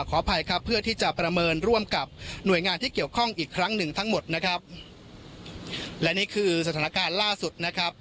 ขออภัยครับเพื่อที่จะประเมินร่วมกับหน่วยงานที่เกี่ยวข้องอีกครั้งหนึ่งทั้งหมดนะครับและนี่คือสถานการณ์ล่าสุดนะครับ